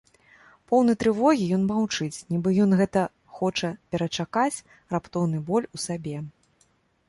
Поўны трывогі, ён маўчыць, нібы ён гэта хоча перачакаць раптоўны боль у сабе.